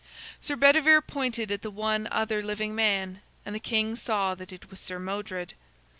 Sir Bedivere pointed at the one other living man, and the king saw that it was Sir Modred.